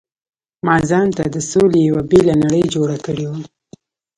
ما ځانته د سولې یو بېله نړۍ جوړه کړې وه.